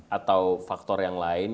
atau faktor yang lain